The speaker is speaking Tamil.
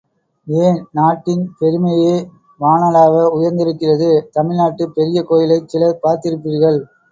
ஏன், நாட்டின் பெருமையே வானளாவ உயர்ந்திருக்கிறது, தமிழ்நாட்டுப் பெரிய கோயிலைச் சிலர் பார்த்திருப்பீர்கள்.